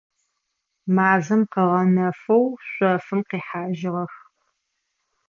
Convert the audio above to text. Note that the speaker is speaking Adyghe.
Мазэм къыгъэнэфэу шъофым къихьажьыгъэх.